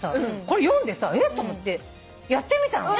これ読んでえっと思ってやってみたの。